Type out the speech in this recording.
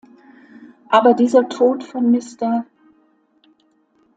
Aber dieser Tod von Mr.